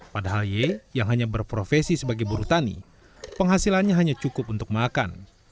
padahal y yang hanya berprofesi sebagai buru tani penghasilannya hanya cukup untuk makan